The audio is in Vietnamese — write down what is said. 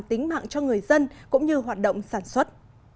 tính mạng cho người dân cũng như hoạt động sản xuất